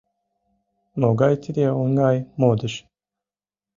Могай тиде оҥай модыш...